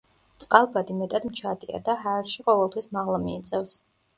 წყალბადი მეტად მჩატეა და ჰაერში ყოველთვის მაღლა მიიწევს.